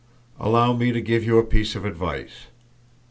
"Allow me to give you a piece of advice.